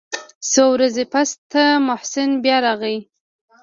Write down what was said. څو ورځې پس ته محسن بيا راغى.